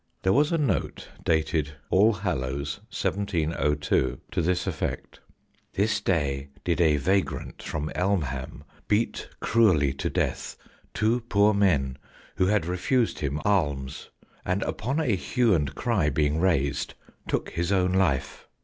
There was a note dated All Hallows, 1702, to this effect :" This day did a vagrant from Elmham beat cruelly to death two poor men who had refused him alms, and upon a hue and cry being raised, took his own life.